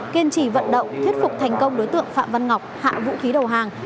kiên trì vận động thuyết phục thành công đối tượng phạm văn ngọc hạ vũ khí đầu hàng